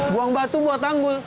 buang batu buat tanggul